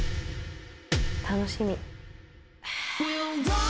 楽しみ。